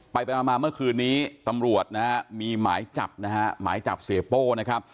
ไปไปมาเมื่อคืนนี้ตำรวจนะฮะมีหมายจับนะฮะหมายจับเสียโป้นะครับ